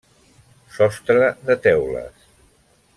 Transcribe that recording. Sostre de teules.